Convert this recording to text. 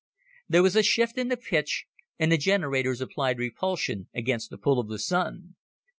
There was a shift in the pitch, and the generators applied repulsion against the pull of the Sun.